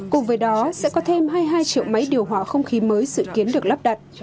cùng với đó sẽ có thêm hai mươi hai triệu máy điều hòa không khí mới dự kiến được lắp đặt